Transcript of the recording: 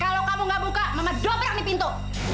kalau kamu nggak buka mama dobrak nih pintu